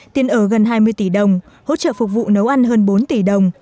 tiền ở gần hai mươi tỷ đồng hỗ trợ phục vụ nấu ăn hơn bốn tỷ đồng